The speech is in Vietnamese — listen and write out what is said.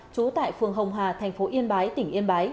trú tại phường hồng hà thành phố yên bái tỉnh yên bái